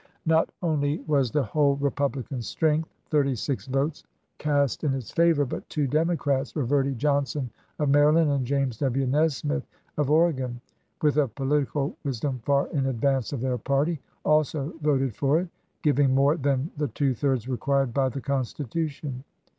Not only THE THIRTEENTH AMENDMENT 77 was the whole Republican strength, thirty six votes, chap. iv. cast in its favor, but two Democrats, — Reverdy Johnson of Maryland and James W. Nesmith of Oregon, — with a political wisdom far in advance of their party, also voted for it, giving more than the two thirds required by the Constitution.